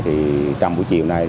trong buổi chiều này